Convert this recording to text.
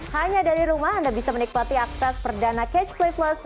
hanya dari rumah anda bisa menikmati akses perdana catch play plus